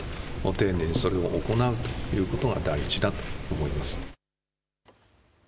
丁寧にそれを行うということが大事だと思います。